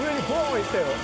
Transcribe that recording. いったよ。